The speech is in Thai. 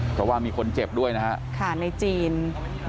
เพราะว่ามีคนเจ็บด้วยนะครับ